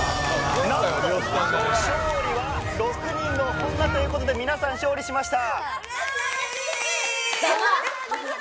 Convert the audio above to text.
なんと勝利は６人の女という事で皆さん勝利しました。